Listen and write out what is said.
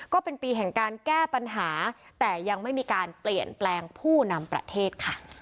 ก็เป็นปีแห่งการแก้ปัญหาแต่ยังไม่มีการเปลี่ยนแปลงผู้นำประเทศค่ะ